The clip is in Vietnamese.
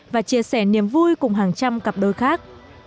và chia sẻ niềm vui cùng hàng trăm cặp đôi khác